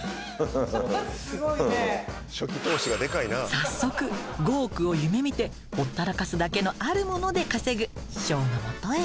早速５億を夢見てほったらかすだけのあるもので稼ぐ師匠の元へ。